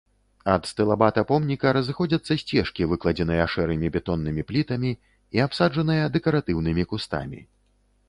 Ад стылабата помніка разыходзяцца сцежкі, выкладзеныя шэрымі бетоннымі плітамі і абсаджаныя дэкаратыўнымі кустамі.